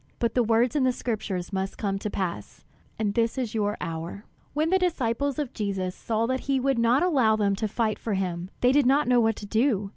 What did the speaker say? But the words in the scriptures must come to pass; and this is your hour." When the disciples of Jesus saw that he would not allow them to fight for him, they did not know what to do.